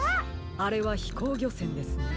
あれはひこうぎょせんですね。